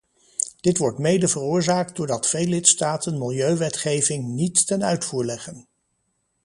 Dit wordt mede veroorzaakt doordat veel lidstaten milieuwetgeving niet ten uitvoer leggen.